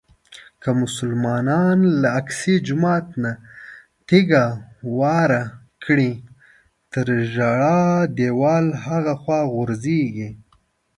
که مسلمانان له اقصی جومات نه تیږه واره کړي تر ژړا دیوال هاخوا غورځېږي.